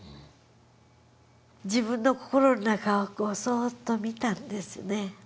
自分の心の中をそっと見たんですね。